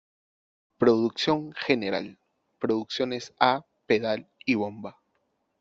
Producción General: Producciones A Pedal y Bomba.